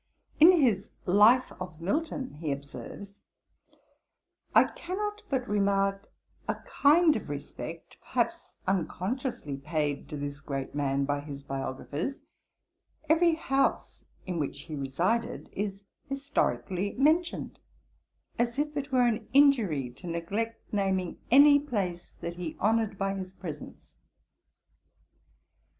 In his Life of Milton he observes, 'I cannot but remark a kind of respect, perhaps unconsciously, paid to this great man by his biographers: every house in which he resided is historically mentioned, as if it were an injury to neglect naming any place that he honoured by his presence.'